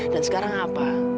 dan sekarang apa